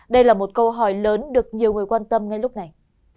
đây là một câu hỏi lớn được nhiều người quan tâm ngay lúc này